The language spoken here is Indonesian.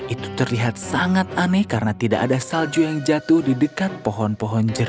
itu terlihat sangat aneh karena tidak ada salju yang jatuh di dekat pohon pohon jeruk